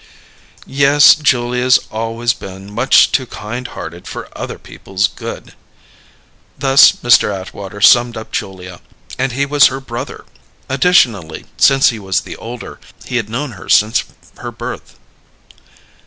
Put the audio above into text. "Yes, Julia's always been much too kind hearted for other people's good." Thus Mr. Atwater summed up Julia; and he was her brother. Additionally, since he was the older, he had known her since her birth.